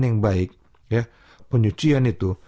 yang baik penyucian itu